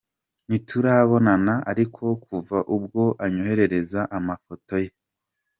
Ntiturabonana ariko kuva ubwo anyoherereza amafoto ye